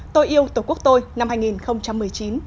tôi yêu tổ quốc tôi năm hai nghìn một mươi chín